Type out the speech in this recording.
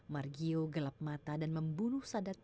margio gelap mata dan membunuh sadatnya